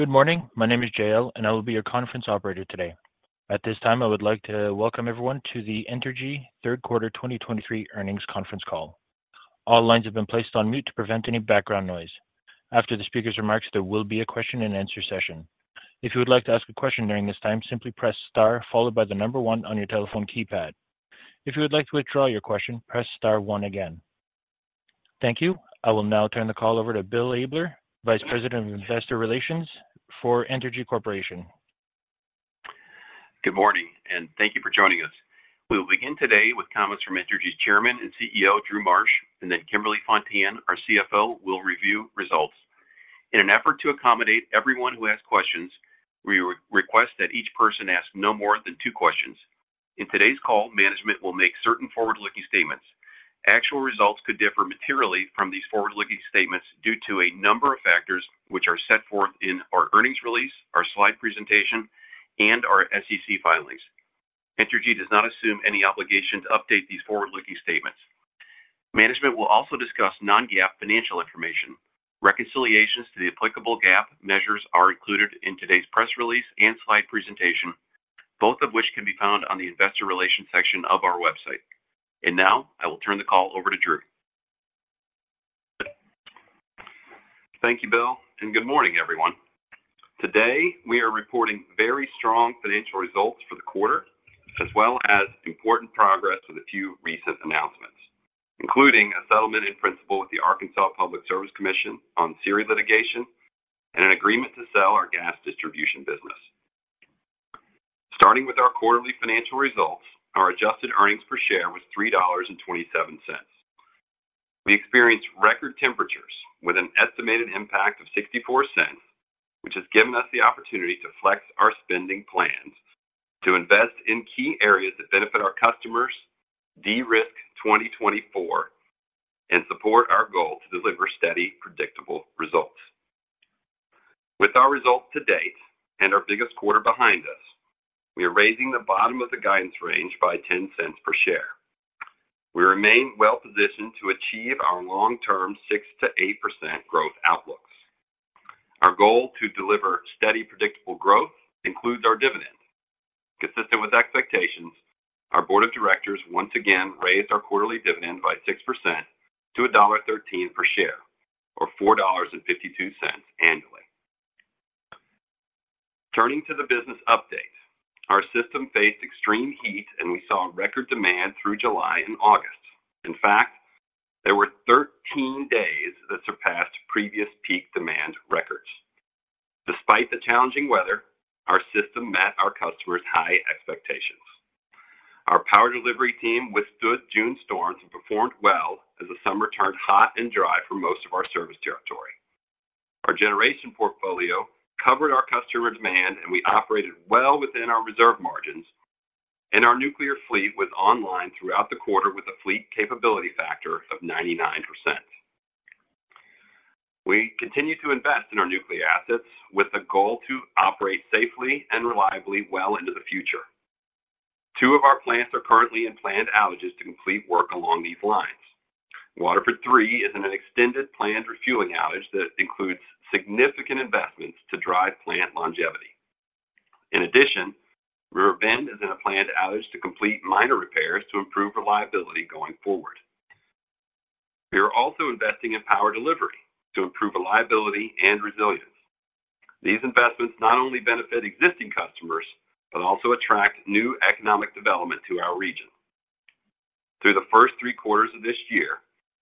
Good morning. My name is J.L., and I will be your conference operator today. At this time, I would like to welcome everyone to the Entergy third quarter 2023 earnings conference call. All lines have been placed on mute to prevent any background noise. After the speaker's remarks, there will be a question-and-answer session. If you would like to ask a question during this time, simply press Star followed by the number 1 on your telephone keypad. If you would like to withdraw your question, press Star 1 again. Thank you. I will now turn the call over to Bill Abler, Vice President of Investor Relations for Entergy Corporation. Good morning, and thank you for joining us. We will begin today with comments from Entergy's Chairman and CEO, Drew Marsh, and then Kimberly Fontan, our CFO, will review results. In an effort to accommodate everyone who has questions, we request that each person ask no more than two questions. In today's call, management will make certain forward-looking statements. Actual results could differ materially from these forward-looking statements due to a number of factors, which are set forth in our earnings release, our slide presentation, and our SEC filings. Entergy does not assume any obligation to update these forward-looking statements. Management will also discuss non-GAAP financial information. Reconciliations to the applicable GAAP measures are included in today's press release and slide presentation, both of which can be found on the Investor Relations section of our website. Now, I will turn the call over to Drew. Thank you, Bill, and good morning, everyone. Today, we are reporting very strong financial results for the quarter, as well as important progress with a few recent announcements, including a settlement in principle with the Arkansas Public Service Commission on SERI litigation and an agreement to sell our gas distribution business. Starting with our quarterly financial results, our adjusted earnings per share was $3.27. We experienced record temperatures with an estimated impact of $0.64, which has given us the opportunity to flex our spending plans to invest in key areas that benefit our customers, de-risk 2024, and support our goal to deliver steady, predictable results. With our results to date and our biggest quarter behind us, we are raising the bottom of the guidance range by $0.10 per share. We remain well-positioned to achieve our long-term 6%-8% growth outlooks. Our goal to deliver steady, predictable growth includes our dividend. Consistent with expectations, our board of directors once again raised our quarterly dividend by 6% to $1.13 per share or $4.52 annually. Turning to the business update, our system faced extreme heat, and we saw a record demand through July and August. In fact, there were 13 days that surpassed previous peak demand records. Despite the challenging weather, our system met our customers' high expectations. Our power delivery team withstood June storms and performed well as the summer turned hot and dry for most of our service territory. Our generation portfolio covered our customer demand, and we operated well within our reserve margins, and our nuclear fleet was online throughout the quarter with a fleet capability factor of 99%. We continue to invest in our nuclear assets with the goal to operate safely and reliably well into the future. Two of our plants are currently in planned outages to complete work along these lines. Waterford 3 is in an extended planned refueling outage that includes significant investments to drive plant longevity. In addition, River Bend is in a planned outage to complete minor repairs to improve reliability going forward. We are also investing in power delivery to improve reliability and resilience. These investments not only benefit existing customers, but also attract new economic development to our region. Through the first three quarters of this year,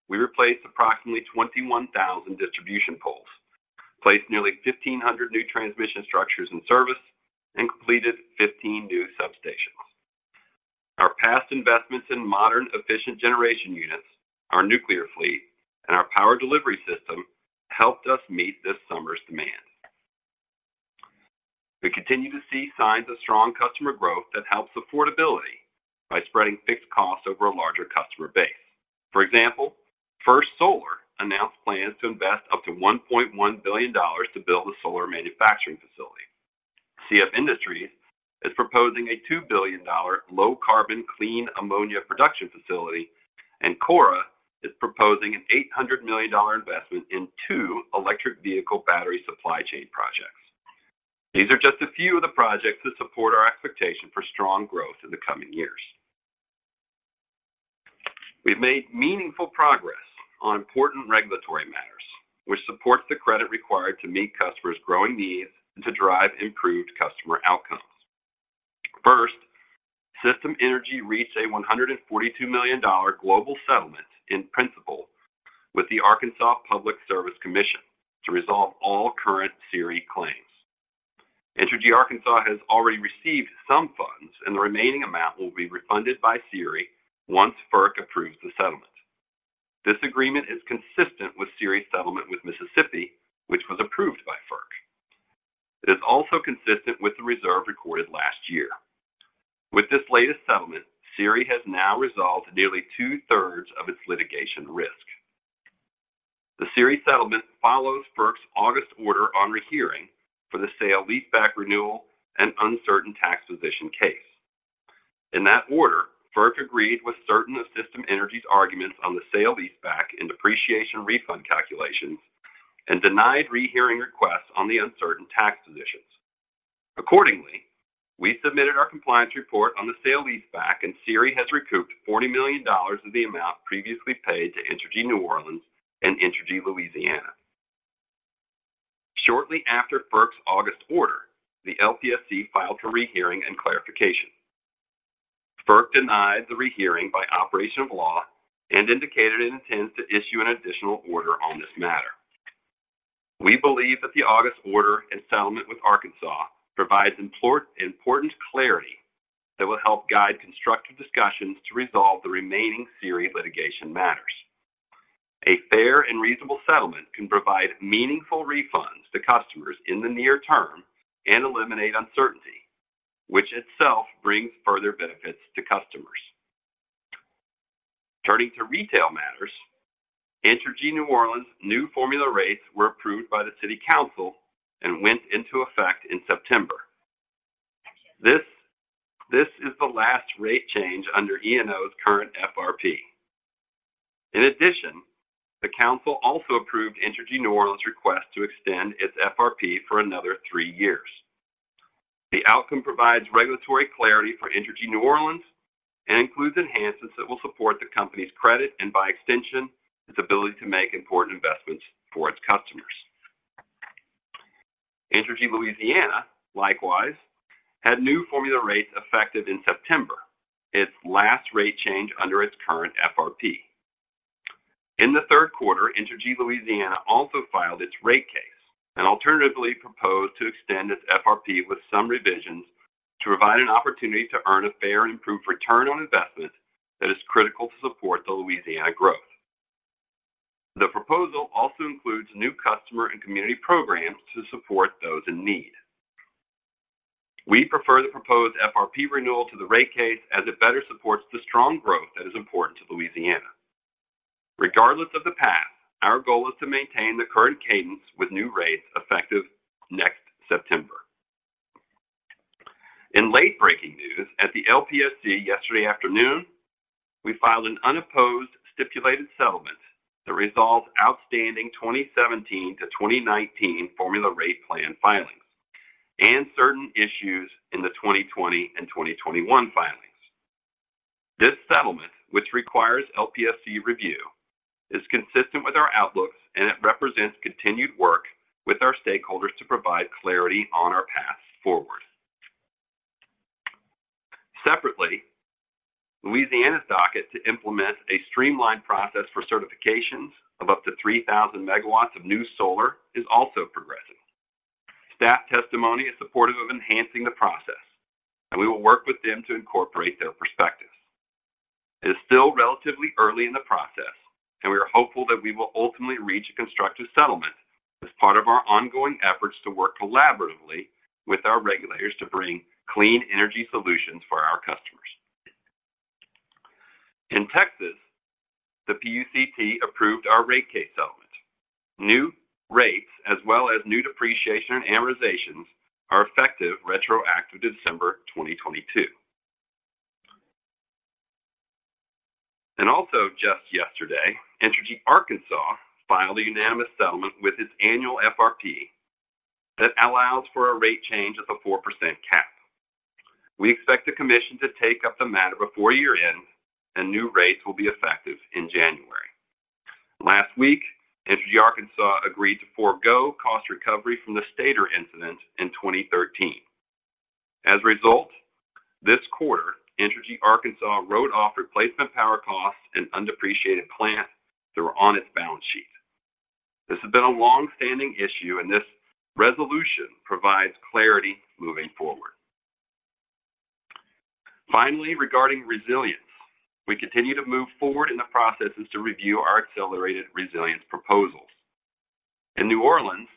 we replaced approximately 21,000 distribution poles, placed nearly 1,500 new transmission structures in service, and completed 15 new substations. Our past investments in modern, efficient generation units, our nuclear fleet, and our power delivery system helped us meet this summer's demand. We continue to see signs of strong customer growth that helps affordability by spreading fixed costs over a larger customer base. For example, First Solar announced plans to invest up to $1.1 billion to build a solar manufacturing facility. CF Industries is proposing a $2 billion low-carbon, clean ammonia production facility, and Koura is proposing an $800 million investment in two electric vehicle battery supply chain projects. These are just a few of the projects that support our expectation for strong growth in the coming years. We've made meaningful progress on important regulatory matters, which supports the credit required to meet customers' growing needs and to drive improved customer outcomes. First, System Energy reached a $142 million global settlement in principle with the Arkansas Public Service Commission to resolve all current SERI claims. Entergy Arkansas has already received some funds, and the remaining amount will be refunded by SERI once FERC approves the settlement. This agreement is consistent with SERI's settlement with Mississippi, which was approved by FERC. It is also consistent with the reserve recorded last year. With this latest settlement, SERI has now resolved nearly two-thirds of its litigation risk. The SERI settlement follows FERC's August order on rehearing for the sale, leaseback, renewal, and uncertain tax position case. In that order, FERC agreed with certain of System Energy's arguments on the sale leaseback and depreciation refund calculations, and denied rehearing requests on the uncertain tax positions. Accordingly, we submitted our compliance report on the sale leaseback, and SERI has recouped $40 million of the amount previously paid to Entergy New Orleans and Entergy Louisiana. Shortly after FERC's August order, the LPSC filed for rehearing and clarification. FERC denied the rehearing by operation of law and indicated it intends to issue an additional order on this matter. We believe that the August order and settlement with Arkansas provides important clarity that will help guide constructive discussions to resolve the remaining SERI litigation matters. A fair and reasonable settlement can provide meaningful refunds to customers in the near term and eliminate uncertainty, which itself brings further benefits to customers. Turning to retail matters, Entergy New Orleans new formula rates were approved by the city council and went into effect in September. This is the last rate change under ENO's current FRP. In addition, the council also approved Entergy New Orleans request to extend its FRP for another three years. The outcome provides regulatory clarity for Entergy New Orleans and includes enhancements that will support the company's credit and, by extension, its ability to make important investments for its customers. Entergy Louisiana, likewise, had new formula rates effective in September, its last rate change under its current FRP. In the third quarter, Entergy Louisiana also filed its rate case and alternatively proposed to extend its FRP with some revisions to provide an opportunity to earn a fair and improved return on investment that is critical to support the Louisiana growth. The proposal also includes new customer and community programs to support those in need. We prefer the proposed FRP renewal to the rate case as it better supports the strong growth that is important to Louisiana. Regardless of the path, our goal is to maintain the current cadence with new rates effective next September. In late-breaking news, at the LPSC yesterday afternoon, we filed an unopposed stipulated settlement that resolves outstanding 2017-2019 formula rate plan filings and certain issues in the 2020 and 2021 filings. This settlement, which requires LPSC review, is consistent with our outlooks, and it represents continued work with our stakeholders to provide clarity on our path forward. Separately, Louisiana's docket to implement a streamlined process for certifications of up to 3,000 MW of new solar is also progressing. Staff testimony is supportive of enhancing the process, and we will work with them to incorporate their perspectives. It is still relatively early in the process, and we are hopeful that we will ultimately reach a constructive settlement as part of our ongoing efforts to work collaboratively with our regulators to bring clean energy solutions for our customers. In Texas, the PUCT approved our rate case settlement. New rates, as well as new depreciation and amortizations, are effective retroactive December 2022.And also just yesterday, Entergy Arkansas filed a unanimous settlement with its annual FRP that allows for a rate change of a 4% cap. We expect the commission to take up the matter before year-end, and new rates will be effective in January. Last week, Entergy Arkansas agreed to forgo cost recovery from the stator incident in 2013. As a result, this quarter, Entergy Arkansas wrote off replacement power costs and undepreciated plant that were on its balance sheet. This has been a long-standing issue, and this resolution provides clarity moving forward. Finally, regarding resilience, we continue to move forward in the processes to review our accelerated resilience proposals. In New Orleans,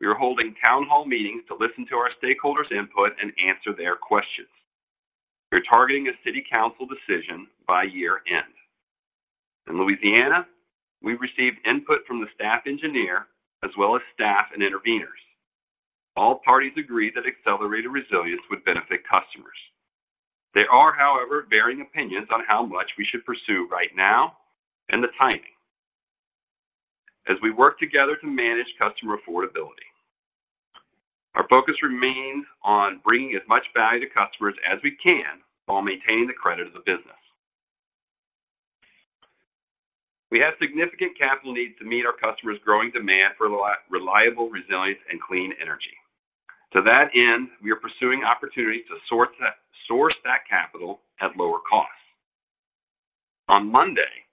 we are holding town hall meetings to listen to our stakeholders input and answer their questions. We're targeting a city council decision by year-end. In Louisiana, we've received input from the staff engineer as well as staff and interveners. All parties agree that accelerated resilience would benefit customers. There are, however, varying opinions on how much we should pursue right now and the timing as we work together to manage customer affordability. Our focus remains on bringing as much value to customers as we can while maintaining the credit of the business. We have significant capital needs to meet our customers growing demand for reliable resilience and clean energy. To that end, we are pursuing opportunities to source that, source that capital at lower costs. On Monday,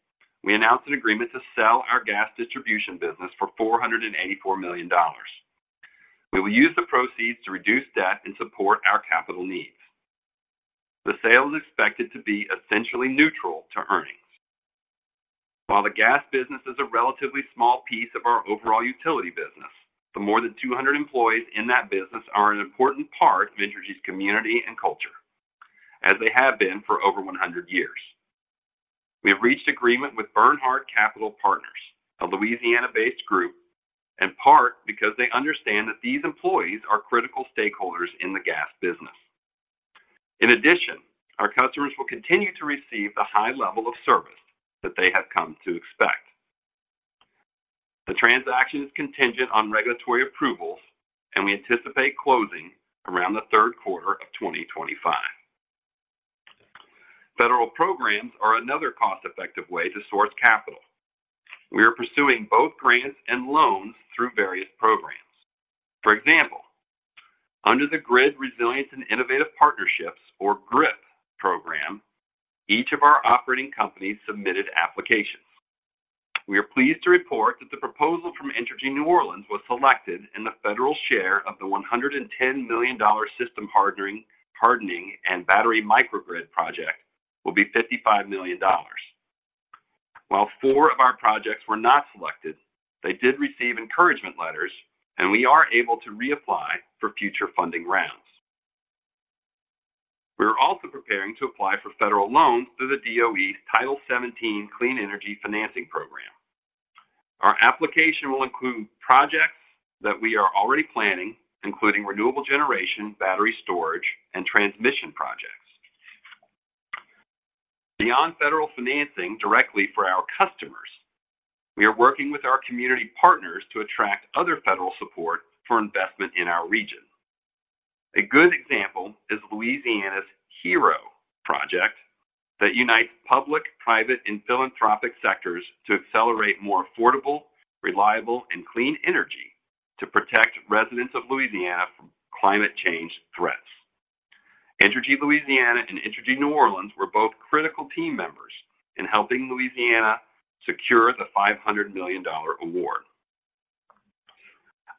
we announced an agreement to sell our gas distribution business for $484 million. We will use the proceeds to reduce debt and support our capital needs. The sale is expected to be essentially neutral to earnings. While the gas business is a relatively small piece of our overall utility business, the more than 200 employees in that business are an important part of Entergy's community and culture, as they have been for over 100 years. We have reached agreement with Bernhard Capital Partners, a Louisiana-based group, in part because they understand that these employees are critical stakeholders in the gas business. In addition, our customers will continue to receive the high level of service that they have come to expect. The transaction is contingent on regulatory approvals, and we anticipate closing around the third quarter of 2025. Federal programs are another cost-effective way to source capital. We are pursuing both grants and loans through various programs. For example, under the Grid Resilience and Innovative Partnerships, or GRIP program, each of our operating companies submitted applications. We are pleased to report that the proposal from Entergy New Orleans was selected, and the federal share of the $110 million system hardening and battery Microgrid project will be $55 million. While four of our projects were not selected, they did receive encouragement letters, and we are able to reapply for future funding rounds. We are also preparing to apply for federal loans through the DOE's Title 17 Clean Energy Financing Program. Our application will include projects that we are already planning, including renewable generation, battery storage, and transmission projects. Beyond federal financing directly for our customers, we are working with our community partners to attract other federal support for investment in our region. A good example is Louisiana's HERO Project that unites public, private and philanthropic sectors to accelerate more affordable, reliable, and clean energy to protect residents of Louisiana from climate change threats. Entergy Louisiana and Entergy New Orleans were both critical team members in helping Louisiana secure the $500 million award.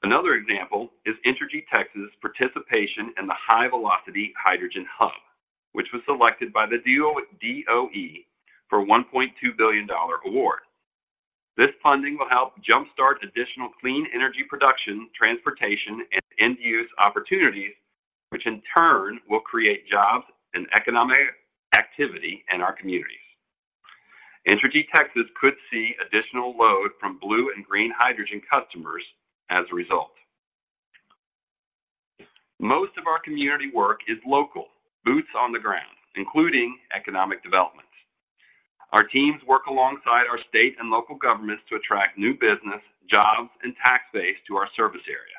Another example is Entergy Texas participation in the HyVelocity Hydrogen Hub, which was selected by the DOE for a $1.2 billion award. This funding will help jumpstart additional clean energy production, transportation, and end-use opportunities, which in turn will create jobs and economic activity in our communities. Entergy Texas could see additional load from blue and green hydrogen customers as a result. Most of our community work is local, boots on the ground, including economic development. Our teams work alongside our state and local governments to attract new business, jobs, and tax base to our service area.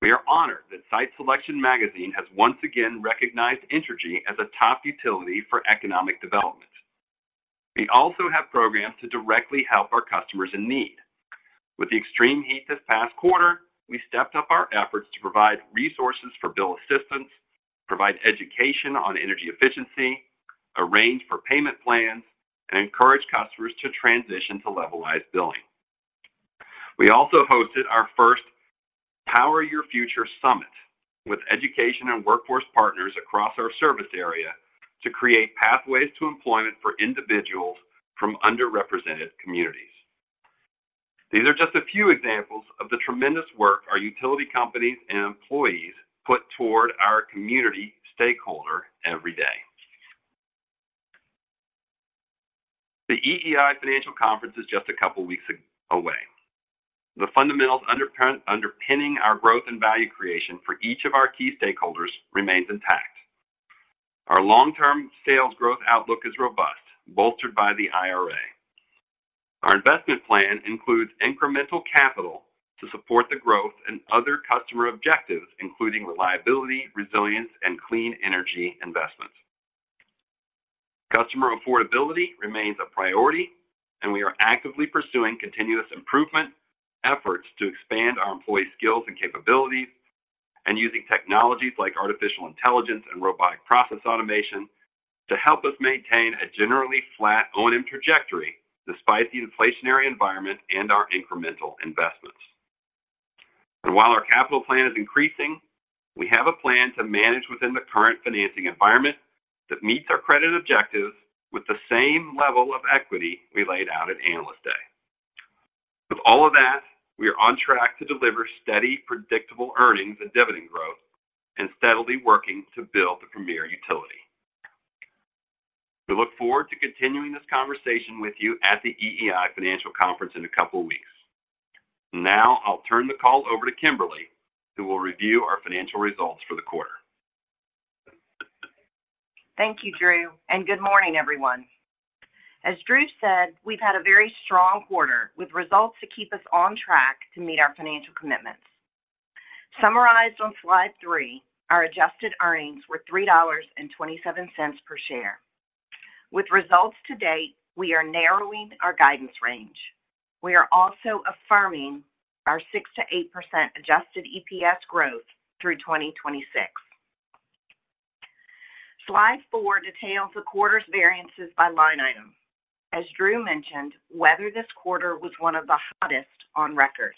We are honored that Site Selection Magazine has once again recognized Entergy as a top utility for economic development. We also have programs to directly help our customers in need. With the extreme heat this past quarter, we stepped up our efforts to provide resources for bill assistance, provide education on energy efficiency, arrange for payment plans, and encourage customers to transition to levelized billing. We also hosted our first Power Your Future Summit with education and workforce partners across our service area to create pathways to employment for individuals from underrepresented communities. These are just a few examples of the tremendous work our utility companies and employees put toward our community stakeholder every day. The EEI Financial Conference is just a couple weeks away. The fundamentals underpinning our growth and value creation for each of our key stakeholders remains intact. Our long-term sales growth outlook is robust, bolstered by the IRA. Our investment plan includes incremental capital to support the growth and other customer objectives, including reliability, resilience, and clean energy investments. Customer affordability remains a priority, and we are actively pursuing continuous improvement efforts to expand our employees' skills and capabilities, and using technologies like artificial intelligence and robotic process automation to help us maintain a generally flat O&M trajectory despite the inflationary environment and our incremental investments. While our capital plan is increasing, we have a plan to manage within the current financing environment that meets our credit objectives with the same level of equity we laid out at Analyst Day. With all of that, we are on track to deliver steady, predictable earnings and dividend growth and steadily working to build a premier utility. We look forward to continuing this conversation with you at the EEI Financial Conference in a couple of weeks. Now, I'll turn the call over to Kimberly, who will review our financial results for the quarter. Thank you, Drew, and good morning, everyone. As Drew said, we've had a very strong quarter, with results to keep us on track to meet our financial commitments. Summarized on slide 3, our adjusted earnings were $3.27 per share. With results to date, we are narrowing our guidance range. We are also affirming our 6%-8% adjusted EPS growth through 2026. Slide four details the quarter's variances by line item. As Drew mentioned, weather this quarter was one of the hottest on record.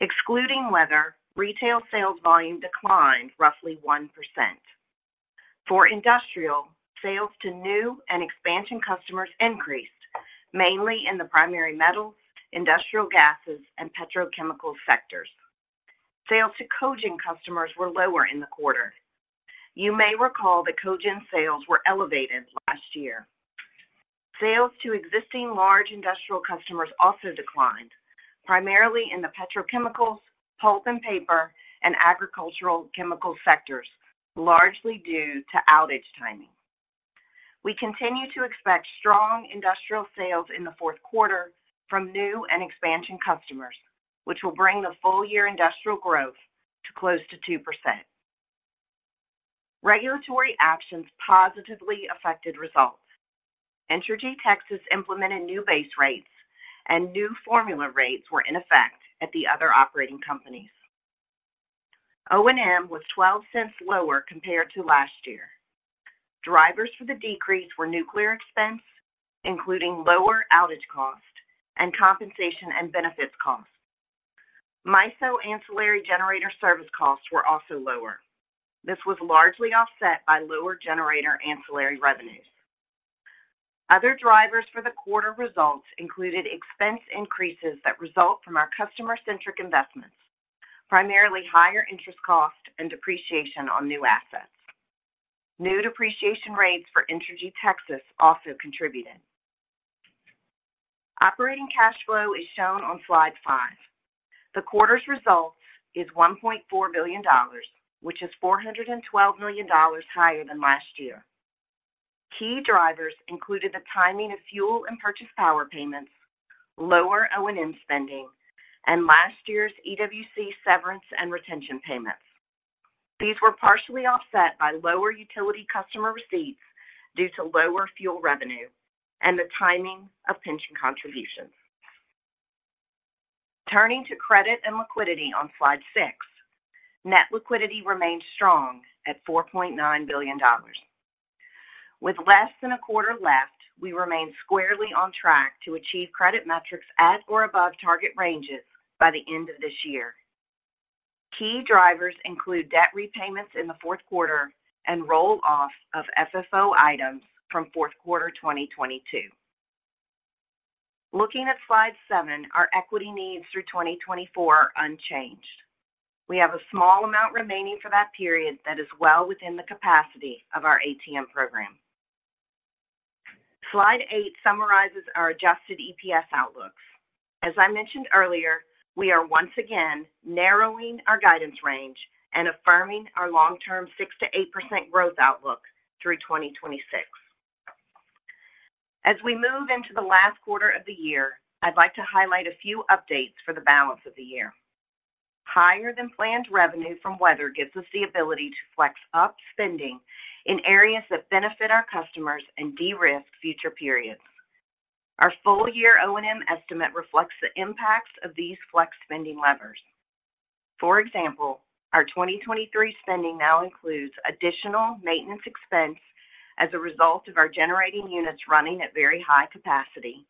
Excluding weather, retail sales volume declined roughly 1%. For industrial, sales to new and expansion customers increased, mainly in the primary metals, industrial gases, and petrochemical sectors. Sales to cogen customers were lower in the quarter. You may recall that cogen sales were elevated last year. Sales to existing large industrial customers also declined, primarily in the petrochemicals, pulp and paper, and agricultural chemical sectors, largely due to outage timing. We continue to expect strong industrial sales in the fourth quarter from new and expansion customers, which will bring the full-year industrial growth to close to 2%. Regulatory actions positively affected results. Entergy Texas implemented new base rates, and new formula rates were in effect at the other operating companies. O&M was $0.12 lower compared to last year. Drivers for the decrease were nuclear expense, including lower outage cost and compensation and benefits costs. MISO ancillary generator service costs were also lower. This was largely offset by lower generator ancillary revenues. Other drivers for the quarter results included expense increases that result from our customer-centric investments, primarily higher interest costs and depreciation on new assets. New depreciation rates for Entergy Texas also contributed. Operating cash flow is shown on slide five. The quarter's result is $1.4 billion, which is $412 million higher than last year. Key drivers included the timing of fuel and purchase power payments, lower O&M spending, and last year EWC severance and retention payments. These were partially offset by lower utility customer receipts due to lower fuel revenue and the timing of pension contributions. Turning to credit and liquidity on slide six, net liquidity remained strong at $4.9 billion. With less than a quarter left, we remain squarely on track to achieve credit metrics at or above target ranges by the end of this year. Key drivers include debt repayments in the fourth quarter and roll-off of FFO items from fourth quarter 2022. Looking at slide seven, our equity needs through 2024 are unchanged. We have a small amount remaining for that period that is well within the capacity of our ATM program. Slide eight summarizes our adjusted EPS outlooks. As I mentioned earlier, we are once again narrowing our guidance range and affirming our long-term 6%-8% growth outlook through 2026. As we move into the last quarter of the year, I'd like to highlight a few updates for the balance of the year. Higher-than-planned revenue from weather gives us the ability to flex up spending in areas that benefit our customers and de-risk future periods. Our full-year O&M estimate reflects the impacts of these flex spending levers. For example, our 2023 spending now includes additional maintenance expense as a result of our generating units running at very high capacity,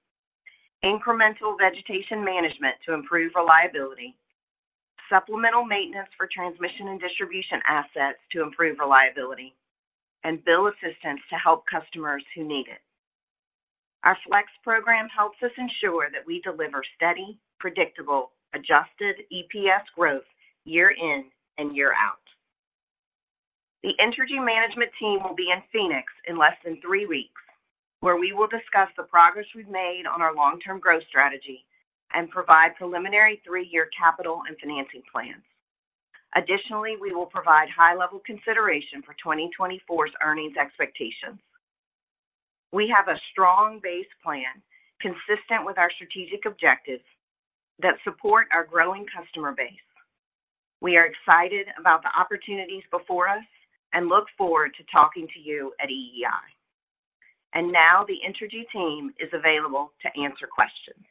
incremental vegetation management to improve reliability, supplemental maintenance for transmission and distribution assets to improve reliability, and bill assistance to help customers who need it. Our flex program helps us ensure that we deliver steady, predictable, adjusted EPS growth year in and year out. The Entergy management team will be in Phoenix in less than 3 weeks, where we will discuss the progress we've made on our long-term growth strategy and provide preliminary 3-year capital and financing plans. Additionally, we will provide high-level consideration for 2024 earnings expectations. We have a strong base plan consistent with our strategic objectives that support our growing customer base. We are excited about the opportunities before us and look forward to talking to you at EEI. Now the Entergy team is available to answer questions.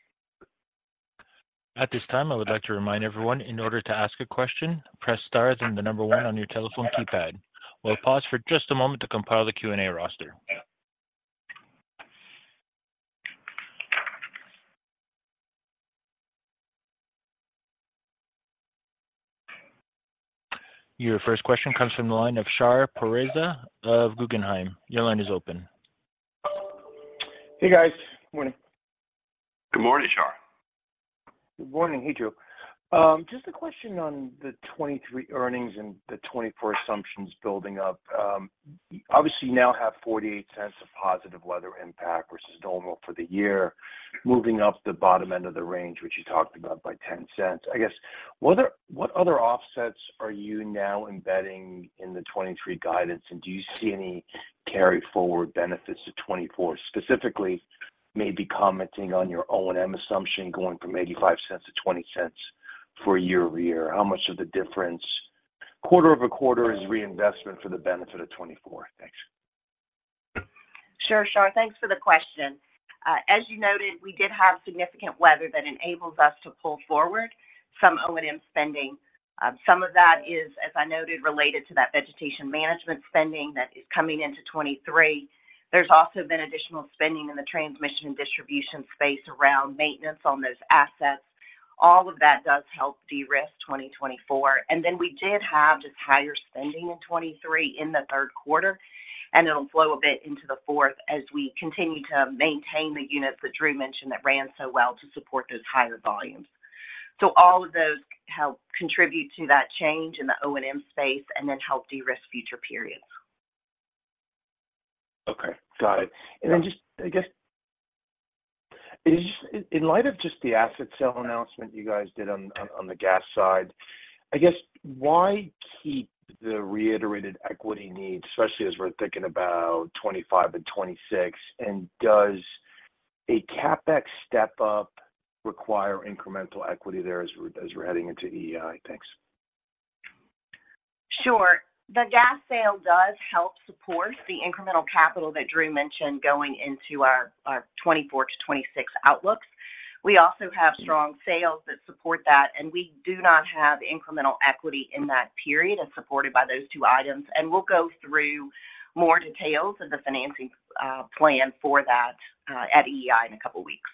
At this time, I would like to remind everyone, in order to ask a question, press star, then the number one on your telephone keypad. We'll pause for just a moment to compile the Q&A roster. Your first question comes from the line of Shar Pourreza of Guggenheim. Your line is open. Hey, guys. Morning. Good morning, Shar. Good morning to you. Just a question on the 2023 earnings and the 2024 assumptions building up. Obviously, you now have $0.48 of positive weather impact versus normal for the year, moving up the bottom end of the range, which you talked about by $0.10. I guess, what are, what other offsets are you now embedding in the 2023 guidance, and do you see any carry forward benefits to 2024, specifically maybe commenting on your O&M assumption, going from $0.85-$0.20 for year-over-year? How much of the difference, quarter-over-quarter, is reinvestment for the benefit of 2024? Thanks. Sure, Shar. Thanks for the question. As you noted, we did have significant weather that enables us to pull forward some O&M spending. Some of that is, as I noted, related to that vegetation management spending that is coming into 2023. There's also been additional spending in the transmission and distribution space around maintenance on those assets. All of that does help de-risk 2024. And then we did have just higher spending in 2023 in the third quarter and it'll flow a bit into the fourth as we continue to maintain the units that Drew mentioned that ran so well to support those higher volumes. So all of those help contribute to that change in the O&M space, and then help de-risk future periods. Okay, got it. And then just, I guess is, in light of the asset sale announcement you guys did on the gas side, I guess, why keep the reiterated equity needs, especially as we're thinking about 2025 and 2026? And does a CapEx step-up require incremental equity there as we're heading into EEI? Thanks. Sure. The gas sale does help support the incremental capital that Drew mentioned going into our 2024-2026 outlooks. We also have strong sales that support that, and we do not have incremental equity in that period as supported by those two items. We'll go through more details of the financing plan for that at EEI in a couple of weeks.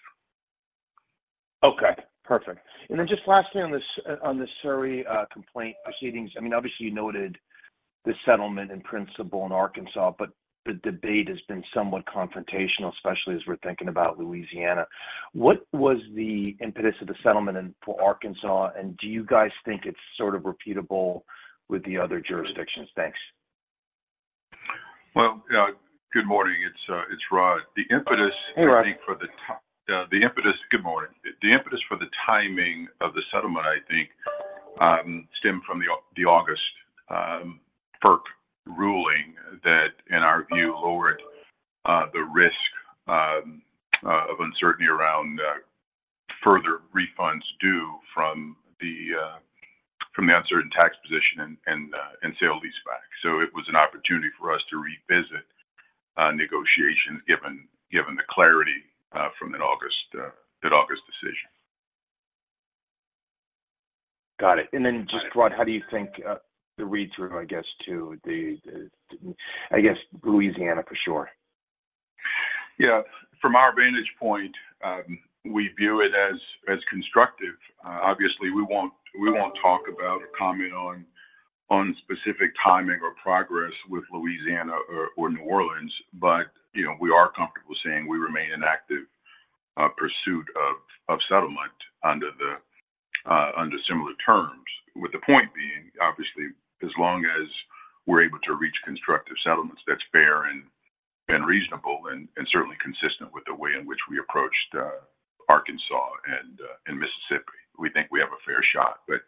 Okay, perfect. And then just lastly on this, on the SERI complaint proceedings, I mean, obviously, you noted the settlement in principle in Arkansas, but the debate has been somewhat confrontational, especially as we're thinking about Louisiana. What was the impetus of the settlement in for Arkansas, and do you guys think it's sort of repeatable with the other jurisdictions? Thanks. Well, good morning. It's, it's Rod. The impetus Hey, Rod. Good morning. I think the impetus for the timing of the settlement, I think, stemmed from the August FERC ruling that, in our view, lowered the risk of uncertainty around further refunds due from the uncertain tax position and sale-leaseback. So it was an opportunity for us to revisit negotiations, given the clarity from that August decision. Got it. And then just, Rod, how do you think the read-through, I guess, to the Louisiana, for sure? Yeah. From our vantage point, we view it as constructive. Obviously, we won't talk about or comment on specific timing or progress with Louisiana or New Orleans, but you know, we are comfortable saying we remain in active pursuit of settlement under the under similar terms. With the point being, obviously, as long as we're able to reach constructive settlements that's fair and reasonable and certainly consistent with the way in which we approached Arkansas and Mississippi, we think we have a fair shot. But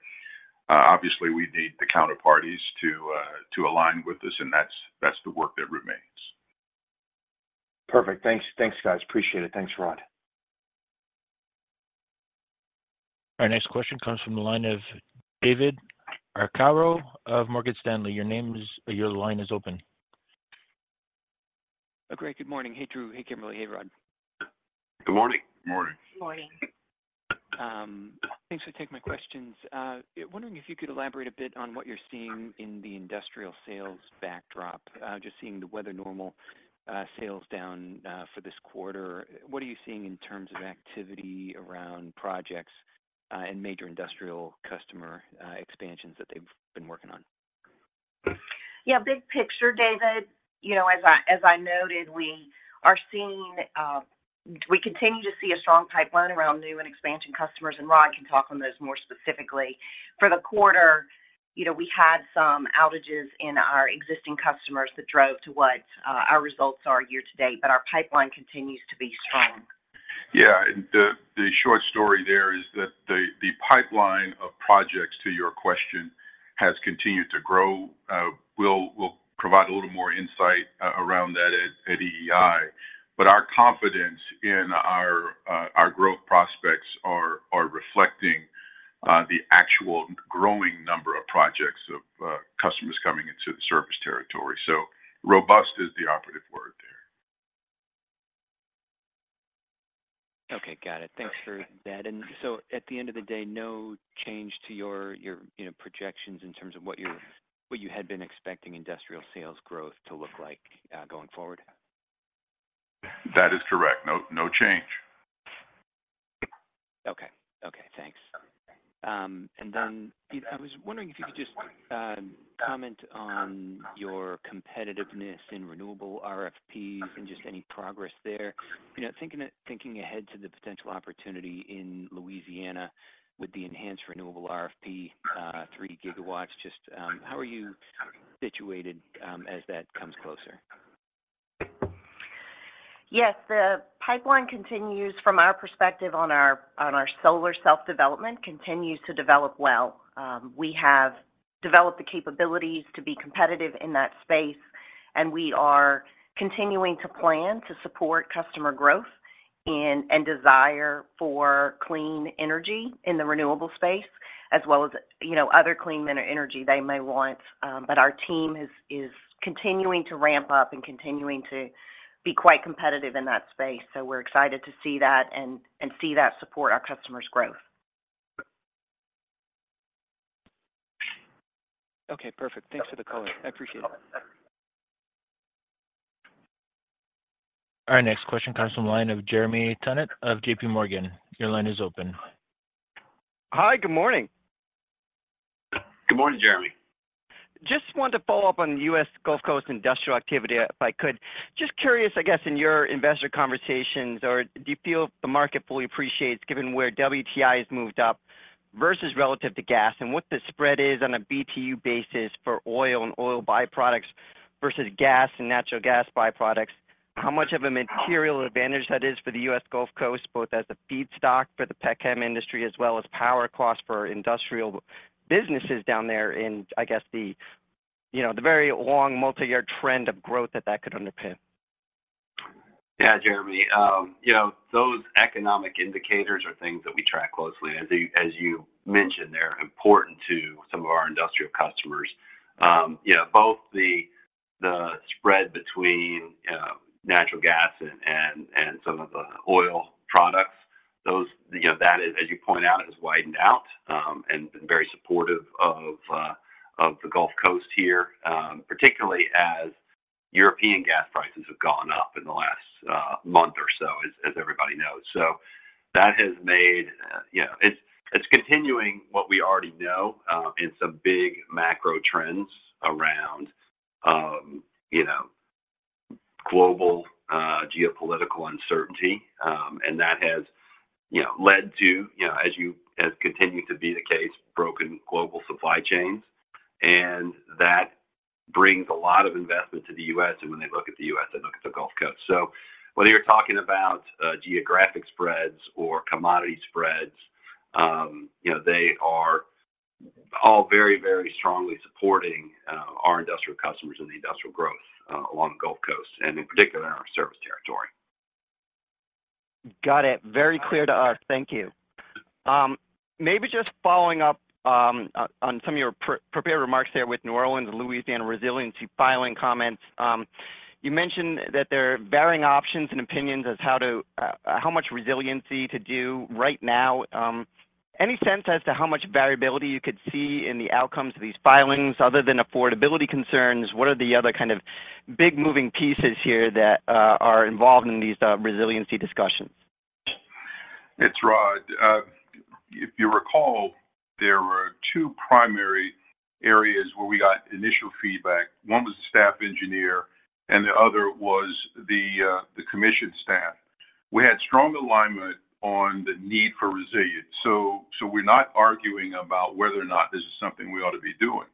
obviously, we need the counterparties to align with us, and that's the work that remains. Perfect. Thanks. Thanks, guys. Appreciate it. Thanks, Rod. Our next question comes from the line of David Arcaro of Morgan Stanley. Your name is, your line is open. Great. Good morning. Hey, Drew. Hey, Kimberly. Hey, Rod. Good morning. Morning. Morning. Thanks for taking my questions. Wondering if you could elaborate a bit on what you're seeing in the industrial sales backdrop. Just seeing the weather normal, sales down for this quarter. What are you seeing in terms of activity around projects, and major industrial customer expansions that they've been working on? Yeah, big picture, David, you know, as I, as I noted, we are seeing, we continue to see a strong pipeline around new and expansion customers, and Rod can talk on those more specifically. For the quarter, you know, we had some outages in our existing customers that drove to what, our results are year-to-date, but our pipeline continues to be strong. Yeah, and the short story there is that the pipeline of projects, to your question, has continued to grow. We'll provide a little more insight around that at EEI, but our confidence in our growth prospects are reflecting the actual growing number of projects of customers coming into the service territory. So robust is the operative word there. Okay, got it. Thanks for that. And so at the end of the day, no change to your you know projections in terms of what you had been expecting industrial sales growth to look like going forward? That is correct. No, no change. Okay. Okay, thanks. And then I was wondering if you could just comment on your competitiveness in renewable RFPs and just any progress there. You know, thinking ahead to the potential opportunity in Louisiana with the enhanced renewable FRP product, 3 GW, just how are you situated as that comes closer? Yes, the pipeline continues, from our perspective on our solar self-development, continues to develop well. We have developed the capabilities to be competitive in that space, and we are continuing to plan to support customer growth and desire for clean energy in the renewable space, as well as, you know, other clean energy they may want. But our team is continuing to ramp up and continuing to be quite competitive in that space. So we're excited to see that and see that support our customers' growth. Okay, perfect. Thanks for the color. I appreciate it. Our next question comes from the line of Jeremy Tonet of JP Morgan. Your line is open. Hi, good morning. Good morning, Jeremy. Just wanted to follow up on the U.S. Gulf Coast industrial activity, if I could. Just curious, I guess, in your investor conversations, or do you feel the market fully appreciates, given where WTI has moved up versus relative to gas, and what the spread is on a BTU basis for oil and oil byproducts versus gas and natural gas byproducts? How much of a material advantage that is for the U.S. Gulf Coast, both as a feedstock for the petchem industry as well as power costs for industrial businesses down there in, I guess, the, you know, the very long multi-year trend of growth that that could underpin? Yeah, Jeremy, you know, those economic indicators are things that we track closely. As you mentioned, they're important to some of our industrial customers. Yeah, both the spread between, you know, natural gas and some of the oil products, those, you know, that is, as you point out, has widened out and been very supportive of the Gulf Coast here, particularly as European gas prices have gone up in the last month or so, as everybody knows. So that has made, you know, It's continuing what we already know in some big macro trends around, you know, global geopolitical uncertainty. And that has, you know, led to, you know, as continued to be the case, broken global supply chains, and that brings a lot of investment to the U.S., and when they look at the U.S., they look at the Gulf Coast. So whether you're talking about geographic spreads or commodity spreads, you know, they are all very, very strongly supporting our industrial customers and the industrial growth along the Gulf Coast and in particular in our service territory. Got it. Very clear to us. Thank you. Maybe just following up on some of your pre-prepared remarks there with New Orleans and Louisiana resiliency filing comments. You mentioned that there are varying options and opinions as how to how much resiliency to do right now. Any sense as to how much variability you could see in the outcomes of these filings other than affordability concerns? What are the other kind of big moving pieces here that are involved in these resiliency discussions? It's Rod. If you recall, there were two primary areas where we got initial feedback. One was the staff engineer, and the other was the commission staff. We had strong alignment on the need for resilience, so, so we're not arguing about whether or not this is something we ought to be doing.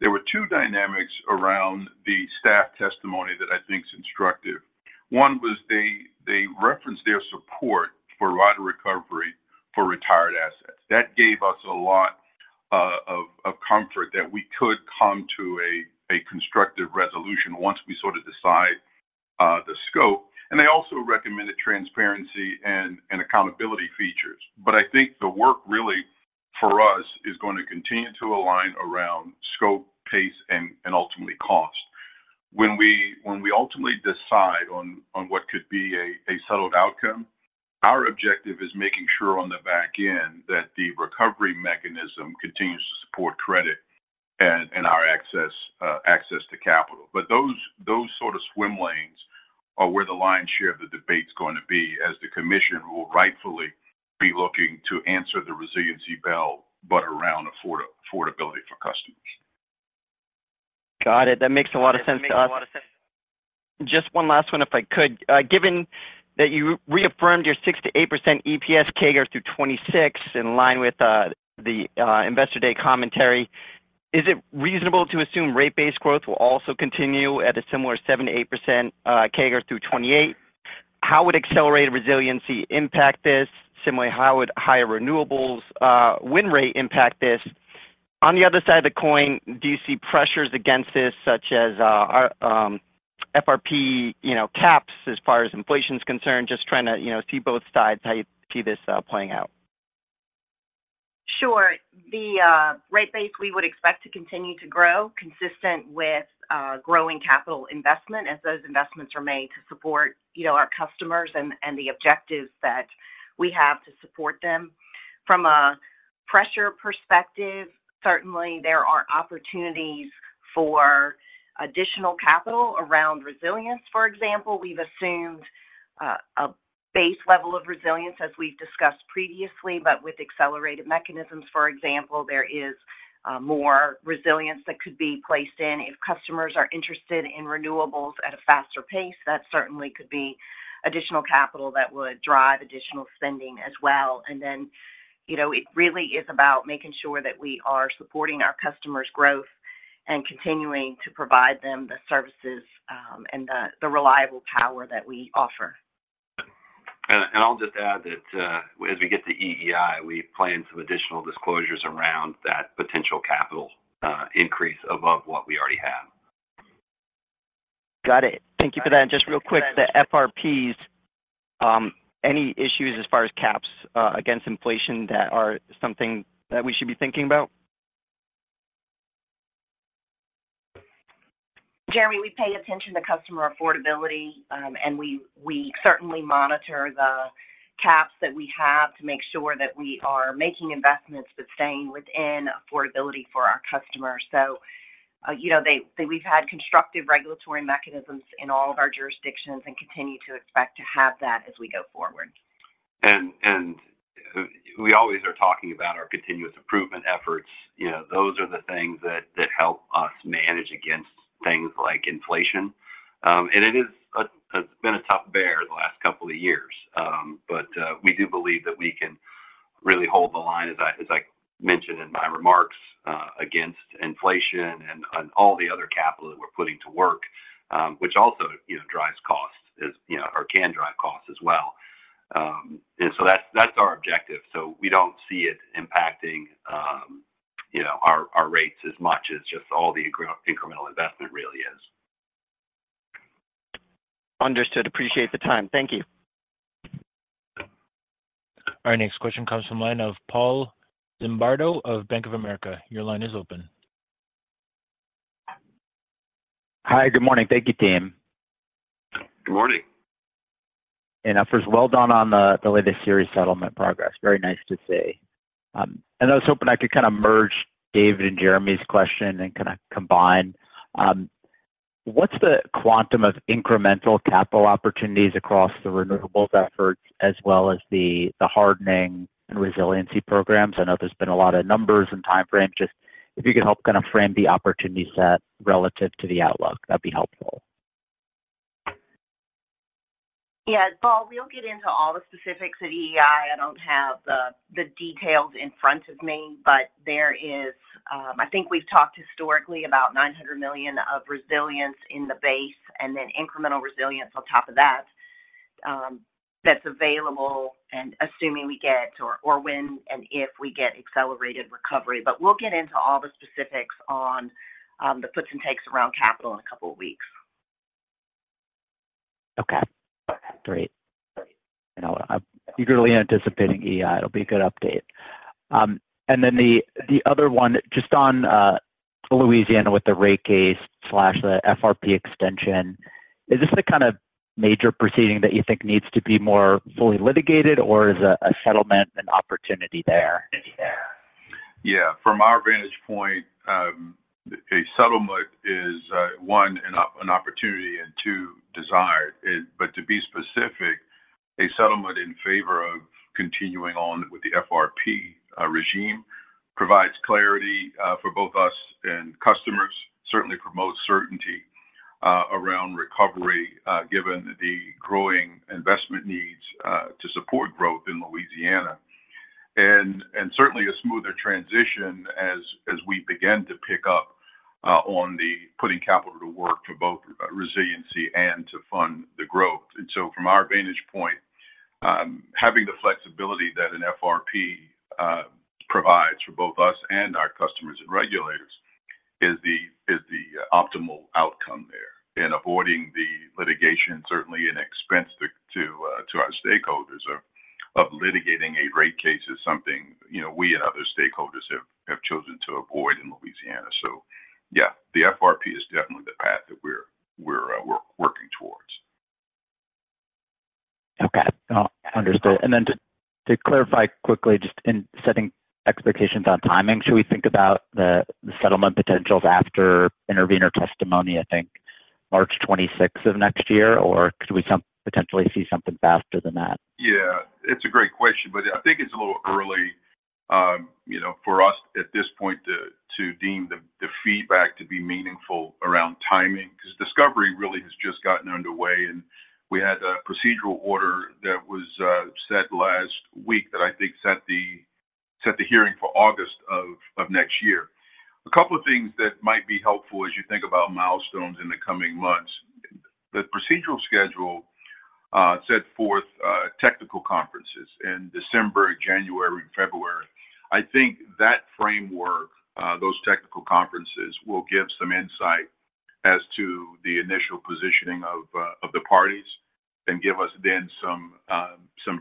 There were two dynamics around the staff testimony that I think is instructive. One was they referenced their support for rider recovery for retired assets. That gave us a lot of comfort that we could come to a constructive resolution once we sort of decide the scope. And they also recommended transparency and accountability features. But I think the work really for us is going to continue to align around scope, pace, and ultimately cost. When we ultimately decide on what could be a settled outcome, our objective is making sure on the back end that the recovery mechanism continues to support credit and our access to capital. But those sort of swim lanes are where the lion's share of the debate is going to be, as the commission will rightfully be looking to answer the resiliency bell, but around affordability for customers. Got it. That makes a lot of sense to us. Just one last one, if I could. Given that you reaffirmed your 6%-8% EPS CAGR through 2026, in line with the Investor Day commentary, is it reasonable to assume rate-based growth will also continue at a similar 7%-8% CAGR through 2028? How would accelerated resiliency impact this? Similarly, how would higher renewables win rate impact this? On the other side of the coin, do you see pressures against this, such as our FRP, you know, caps as far as inflation is concerned? Just trying to, you know, see both sides, how you see this playing out. Sure. The rate base, we would expect to continue to grow consistent with growing capital investment as those investments are made to support, you know, our customers and the objectives that we have to support them. From a pressure perspective, certainly there are opportunities for additional capital around resilience. For example, we've assumed a base level of resilience, as we've discussed previously, but with accelerated mechanisms. For example, there is more resilience that could be placed in. If customers are interested in renewables at a faster pace, that certainly could be additional capital that would drive additional spending as well. And then, you know, it really is about making sure that we are supporting our customers' growth and continuing to provide them the services and the reliable power that we offer. I'll just add that, as we get to EEI, we plan some additional disclosures around that potential capital increase above what we already have. Got it. Thank you for that. And just real quick, the FRPs, any issues as far as caps, against inflation that are something that we should be thinking about? Jeremy, we pay attention to customer affordability, and we certainly monitor the caps that we have to make sure that we are making investments, but staying within affordability for our customers. So, you know, we've had constructive regulatory mechanisms in all of our jurisdictions and continue to expect to have that as we go forward. And, and we always are talking about our continuous improvement efforts. You know, those are the things that help us manage against things like inflation. It's been a tough year the last couple of years. But we do believe that we can really hold the line, as I mentioned in my remarks, against inflation and all the other capital that we're putting to work, which also, you know, drives costs, as you know, or can drive costs as well. And so that's our objective, so we don't see it impacting, you know, our rates as much as just all the incremental investment really is. Understood. Appreciate the time. Thank you. Our next question comes from line of Paul Zimbardo of Bank of America. Your line is open. Hi, good morning. Thank you, team. Good morning. First, well done on the latest series settlement progress. Very nice to see. I was hoping I could kind of merge David and Jeremy's question and kind of combine. What's the quantum of incremental capital opportunities across the renewables efforts, as well as the hardening and resiliency programs? I know there's been a lot of numbers and time frames. Just if you could help kind of frame the opportunity set relative to the outlook, that'd be helpful. Yeah, Paul, we'll get into all the specifics at EEI. I don't have the details in front of me, but there is, I think we've talked historically about $900 million of resilience in the base, and then incremental resilience on top of that, that's available, and assuming we get, or when and if we get accelerated recovery. But we'll get into all the specifics on the puts and takes around capital in a couple of weeks. Okay. Great. And I'm eagerly anticipating EEI. It'll be a good update. And then the other one, just on Louisiana with the rate case, the FRP extension, is this the kind of major proceeding that you think needs to be more fully litigated, or is a settlement an opportunity there? Yeah. From our vantage point, a settlement is, one, an opportunity, and two, desired. But to be specific, a settlement in favor of continuing on with the FRP regime provides clarity for both us and customers. Certainly promotes certainty around recovery given the growing investment needs to support growth in Louisiana. And certainly a smoother transition as we begin to pick up on the putting capital to work for both resiliency and to fund the growth. And so from our vantage point, having the flexibility that an FRP provides for both us and our customers and regulators is the optimal outcome there. Avoiding the litigation, certainly an expense to our stakeholders of litigating a rate case is something, you know, we and other stakeholders have chosen to avoid in Louisiana. So yeah, the FRP is definitely the path that we're working towards. Okay. Understood. And then just to clarify quickly, just in setting expectations on timing, should we think about the settlement potentials after intervener testimony, I think March 26 of next year, or could we potentially see something faster than that? Yeah, it's a great question, but I think it's a little early, you know, for us at this point to deem the feedback to be meaningful around timing, because discovery really has just gotten underway, and we had a procedural order that was set last week that I think set the hearing for August of next year. A couple of things that might be helpful as you think about milestones in the coming months. The procedural schedule set forth technical conferences in December, January, and February. I think that framework, those technical conferences, will give some insight as to the initial positioning of the parties and give us then some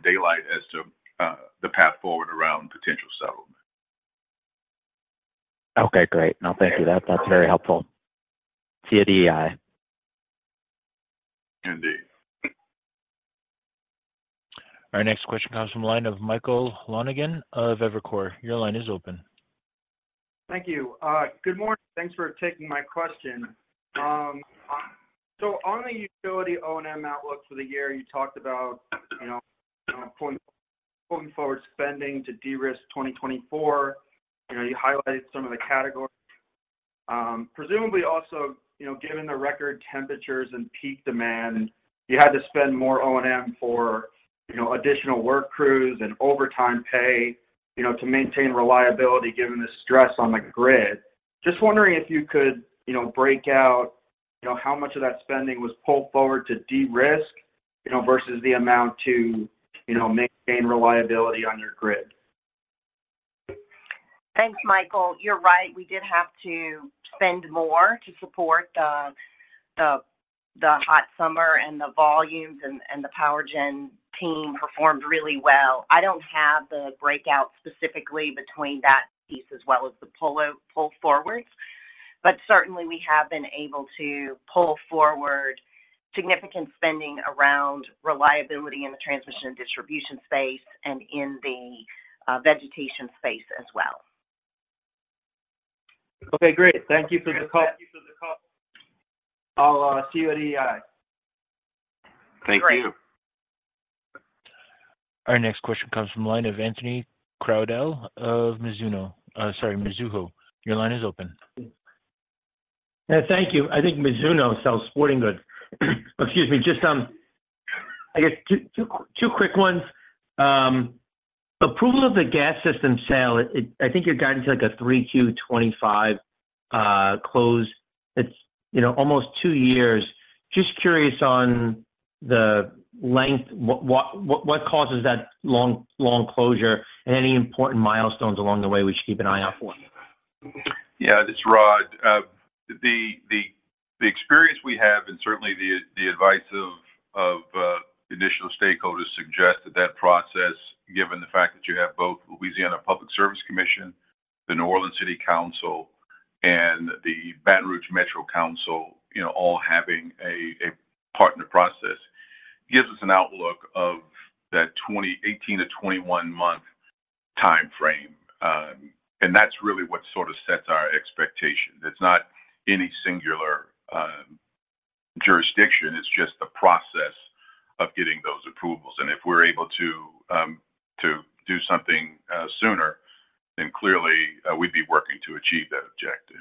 daylight as to the path forward around potential settlement. Okay, great. No, thank you. That, that's very helpful. See you at EEI. Indeed. Our next question comes from line of Michael Lonegan of Evercore. Your line is open. Thank you. Good morning. Thanks for taking my question. So on the utility O&M outlook for the year, you talked about, you know, pulling forward spending to de-risk 2024. You know, you highlighted some of the categories. Presumably also, you know, given the record temperatures and peak demand, you had to spend more O&M for, you know, additional work crews and overtime pay, you know, to maintain reliability, given the stress on the grid. Just wondering if you could, you know, break out, you know, how much of that spending was pulled forward to de-risk, you know, versus the amount to, you know, maintain reliability on your grid? Thanks, Michael. You're right. We did have to spend more to support the hot summer and the volumes, and the power gen team performed really well. I don't have the breakout specifically between that piece as well as the pull forward. But certainly, we have been able to pull forward significant spending around reliability in the transmission and distribution space and in the vegetation space as well. Okay, great. Thank you for the call, for the call. I'll see you at EEI. Thank you. Our next question comes from the line of Anthony Crowdell of Mizuho. Sorry, Mizuho. Your line is open. Yeah, thank you. I think Mizuno sells sporting goods. Excuse me, just, I guess two quick ones. Approval of the gas system sale, it, I think you're down to like a 3-25 close. It's, you know, almost two years. Just curious on the length, what causes that long closure and any important milestones along the way we should keep an eye out for? Yeah, this is Rod. The experience we have and certainly the advice of initial stakeholders suggest that process, given the fact that you have both Louisiana Public Service Commission, the New Orleans City Council, and the Baton Rouge Metro Council, you know, all having a part in the process, gives us an outlook of that 18-21 month timeframe. And that's really what sort of sets our expectations. It's not any singular jurisdiction, it's just the process of getting those approvals. And if we're able to, to do something sooner, then clearly we'd be working to achieve that objective.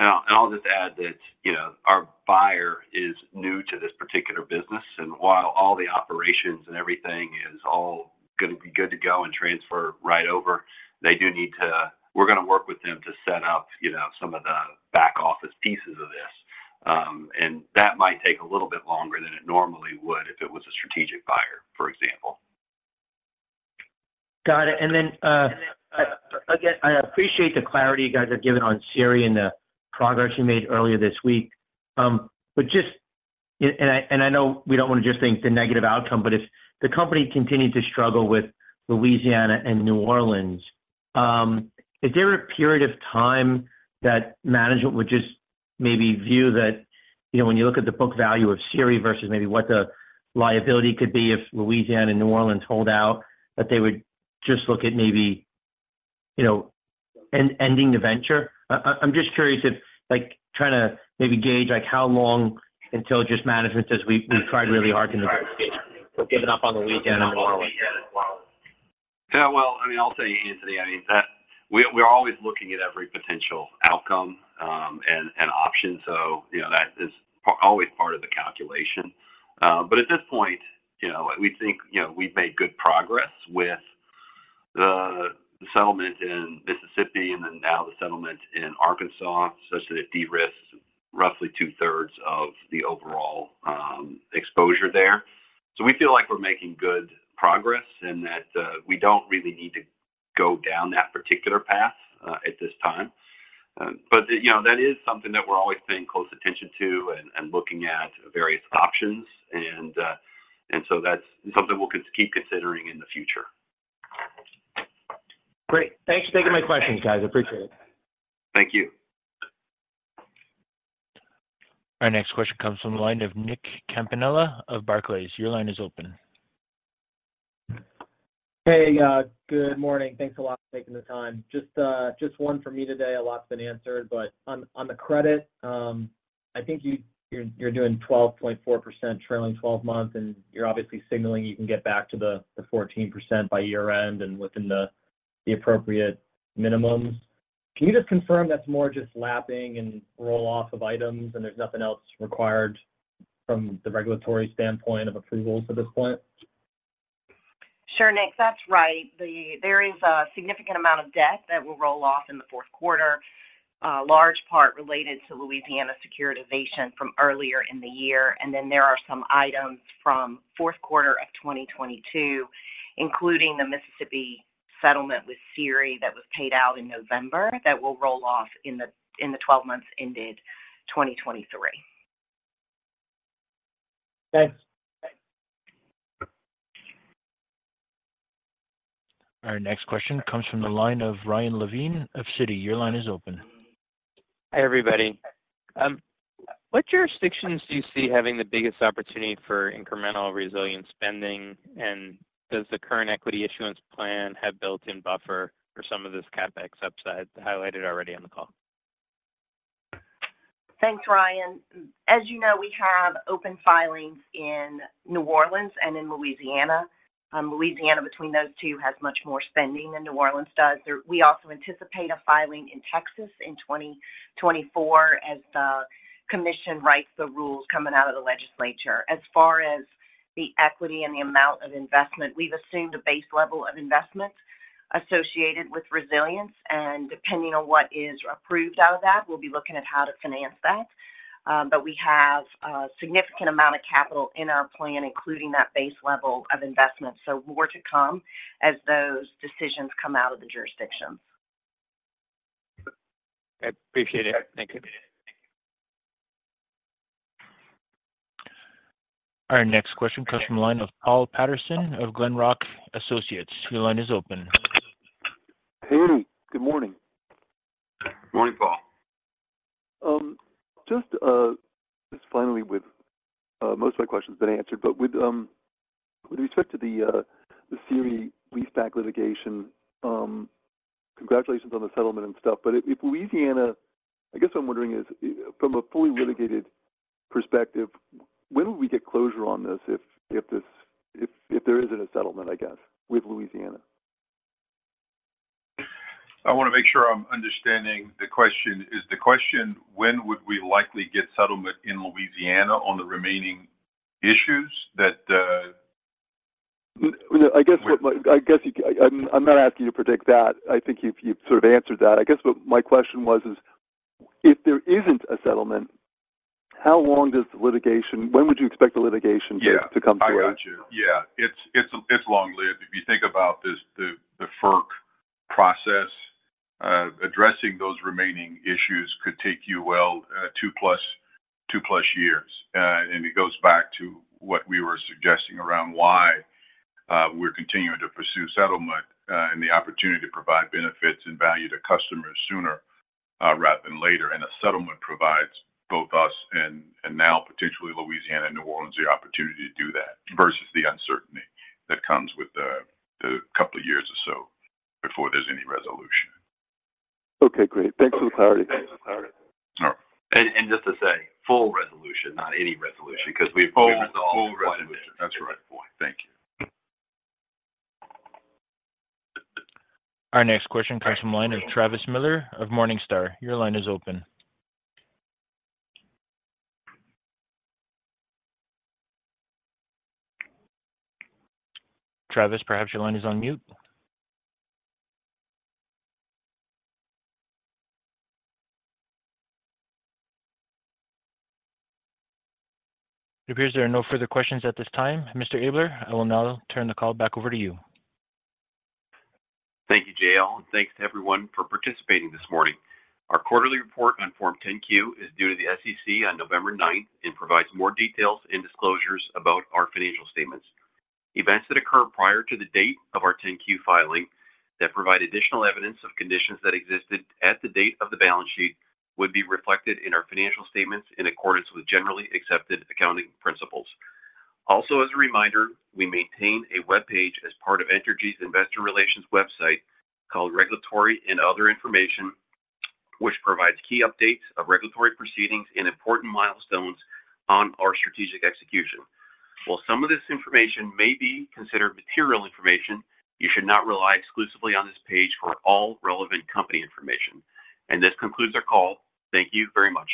Now, and I'll just add that, you know, our buyer is new to this particular business, and while all the operations and everything is all gonna be good to go and transfer right over, they do need to, we're gonna work with them to set up, you know, some of the back office pieces of this. And that might take a little bit longer than it normally would if it was a strategic buyer, for example. Got it. And then, again, I appreciate the clarity you guys have given on SERI and the progress you made earlier this week. But just, and, and I know we don't want to just think the negative outcome, but if the company continued to struggle with Louisiana and New Orleans, is there a period of time that management would just maybe view that, you know, when you look at the book value of SERI versus maybe what the liability could be if Louisiana and New Orleans hold out, that they would just look at maybe, you know, end, ending the venture? I'm just curious if, like, trying to maybe gauge, like, how long until just management says, We've tried really hard to we're giving up on Louisiana and New Orleans? Yeah, well, I mean, I'll tell you, Anthony, I mean, that we, we're always looking at every potential outcome, and options. So, you know, that is always part of the calculation. But at this point, you know, we think, you know, we've made good progress with the settlement in Mississippi, and then now the settlement in Arkansas, such that it de-risks roughly two-thirds of the overall exposure there. So we feel like we're making good progress, and that we don't really need to go down that particular path at this time. But, you know, that is something that we're always paying close attention to and looking at various options, and so that's something we'll keep considering in the future. Great. Thanks for taking my questions, guys. I appreciate it. Thank you. Our next question comes from the line of Nick Campanella of Barclays. Your line is open. Hey, good morning. Thanks a lot for taking the time. Just one for me today. A lot's been answered, but on the credit, I think you're doing 12.4% trailing 12-month, and you're obviously signaling you can get back to the 14% by year-end and within the appropriate minimums. Can you just confirm that's more just lapping and roll-off of items, and there's nothing else required from the regulatory standpoint of approvals at this point? Sure, Nick, that's right. There is a significant amount of debt that will roll off in the fourth quarter, a large part related to Louisiana securitization from earlier in the year. And then there are some items from fourth quarter of 2022, including the Mississippi settlement with SERI that was paid out in November, that will roll-off in the 12 months ended 2023. Thanks. Our next question comes from the line of Ryan Levine of Citi. Your line is open. Hi, everybody. What jurisdictions do you see having the biggest opportunity for incremental resilience spending? Does the current equity issuance plan have built-in buffer for some of this CapEx upside highlighted already on the call? Thanks, Ryan. As you know, we have open filings in New Orleans and in Louisiana. Louisiana, between those two, has much more spending than New Orleans does. We also anticipate a filing in Texas in 2024 as the commission writes the rules coming out of the legislature. As far as the equity and the amount of investment, we've assumed a base level of investment associated with resilience, and depending on what is approved out of that, we'll be looking at how to finance that. But we have a significant amount of capital in our plan, including that base level of investment. So more to come as those decisions come out of the jurisdictions. I appreciate it. Thank you. Our next question comes from the line of Paul Patterson of Glenrock Associates. Your line is open. Hey, good morning. Morning, Paul. Just, just finally with most of my questions been answered, but with respect to the SERI leaseback litigation, congratulations on the settlement and stuff. But if Louisiana, I guess what I'm wondering is, from a fully litigated perspective, when will we get closure on this? If this, if there isn't a settlement, I guess, with Louisiana. I want to make sure I'm understanding the question. Is the question, when would we likely get settlement in Louisiana on the remaining issues that the, I guess what I'm not asking you to predict that. I think you've sort of answered that. I guess what my question was is, if there isn't a settlement, how long does the litigation? When would you expect the litigation to come to an end? Yeah. I got you. Yeah, it's long-lived. If you think about this, the FERC process addressing those remaining issues could take you, well, 2+ years. And it goes back to what we were suggesting around why we're continuing to pursue settlement and the opportunity to provide benefits and value to customers sooner rather than later. And a settlement provides both us and now potentially Louisiana and New Orleans the opportunity to do that, versus the uncertainty that comes with the couple of years or so before there's any resolution. Okay, great. Thanks for the clarity. Sure. And just to say, full resolution, not any resolution, because we've resolved-[audible] Full resolution. That's right. Thank you. Our next question comes from line of Travis Miller of Morningstar. Your line is open. Travis, perhaps your line is on mute? It appears there are no further questions at this time. Mr. Abler, I will now turn the call back over to you. Thank you, J.L., and thanks to everyone for participating this morning. Our quarterly report on Form 10-Q is due to the SEC on November ninth, and provides more details and disclosures about our financial statements. Events that occur prior to the date of our 10-Q filing that provide additional evidence of conditions that existed at the date of the balance sheet, would be reflected in our financial statements in accordance with generally accepted accounting principles. Also, as a reminder, we maintain a webpage as part of Entergy's investor relations website called Regulatory and Other Information, which provides key updates of regulatory proceedings and important milestones on our strategic execution. While some of this information may be considered material information, you should not rely exclusively on this page for all relevant company information. This concludes our call. Thank you very much.